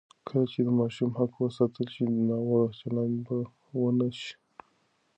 کله چې د ماشوم حق وساتل شي، ناوړه چلند به ونه شي.